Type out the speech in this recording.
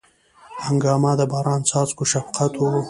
هنګامه د باران څاڅکو شفقت و